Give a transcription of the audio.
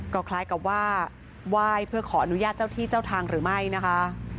ก็คล้ายกับว่าไหว้เพื่อขออนุญาตเจ้าที่เจ้าทางหรือไม่นะคะ